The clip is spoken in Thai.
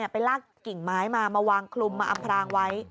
ไปลากกิ่งไม้มามาวางคลุมมาอำพรางไว้